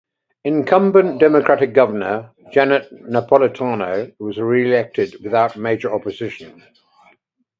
Incumbent Democratic Governor Janet Napolitano, was reelected without major opposition.